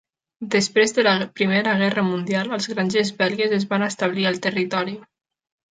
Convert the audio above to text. Després de la Primera Guerra Mundial, els grangers belgues es van establir al territori.